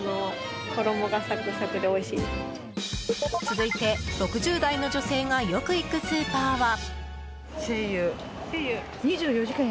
続いて、６０代の女性がよく行くスーパーは。